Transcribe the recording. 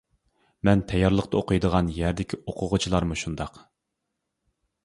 مەن تەييارلىقتا ئوقۇيدىغان يەردىكى ئوقۇغۇچىلارمۇ شۇنداق.